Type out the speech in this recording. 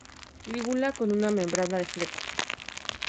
Lígula con una membrana de flecos.